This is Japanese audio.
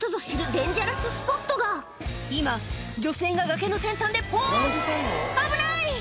デンジャラススポットが今女性が崖の先端でポーズ危ない！